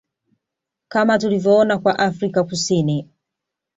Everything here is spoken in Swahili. Kama tulivyoona kwa Afrika Kusini